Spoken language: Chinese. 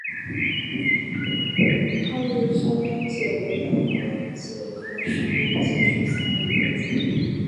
二肋商鞅介为半花介科商鞅介属下的一个种。